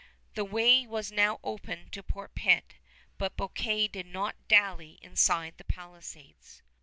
The way was now open to Port Pitt, but Bouquet did not dally inside the palisades.